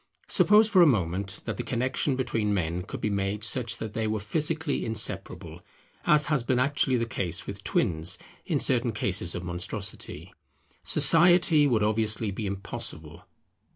Suppose for a moment that the connexion between men could be made such that they were physically inseparable, as has been actually the case with twins in certain cases of monstrosity; society would obviously be impossible.